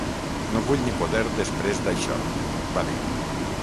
"No vull ni poder després d'això", va dir.